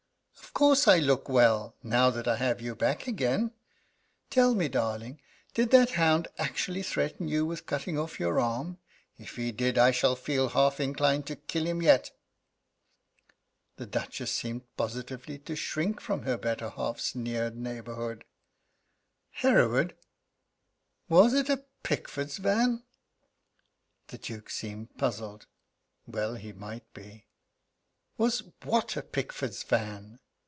"Of course I look well, now that I have you back again. Tell me, darling, did that hound actually threaten you with cutting off your arm? If he did, I shall feel half inclined to kill him yet." The Duchess seemed positively to shrink from her better half's near neighbourhood: "Hereward, was it a Pickford's van?" The Duke seemed puzzled. Well he might be: "Was what a Pickford's van?"